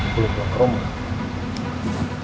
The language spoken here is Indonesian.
belum pulang ke rumah